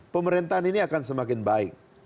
pemerintahan ini akan semakin baik